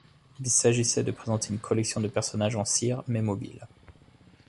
Il s'agissait de présenter une collection de personnages en cire mais mobiles.